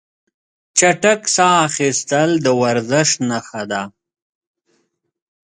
چټک ساه اخیستل د ورزش نښه ده.